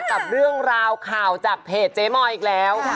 กับเรื่องราวข่าวจากเพจเจ๊มอยอีกแล้ว